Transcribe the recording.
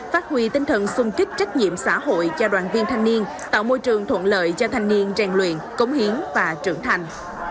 phát huy tinh thần sung kích trách nhiệm xã hội cho đoàn viên thanh niên tạo môi trường thuận lợi cho thanh niên rèn luyện cống hiến và trưởng thành